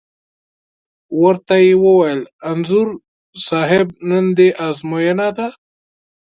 ور ته یې وویل: انځور صاحب نن دې ازموینه ده.